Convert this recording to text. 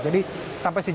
jadi sampai sekarang